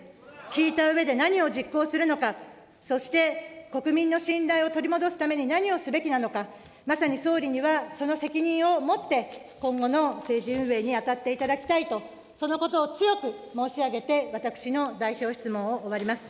聞いたうえで、何を実行するのか、そして、国民の信頼を取り戻すために何をすべきなのか、まさに総理には、その責任をもって、今後の政治運営に当たっていただきたいと、そのことを強く申し上げて、私の代表質問を終わります。